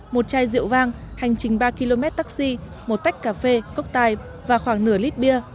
một chai rượu vang hành trình ba km taxi một tách cà phê cốc tai và khoảng nửa lít bia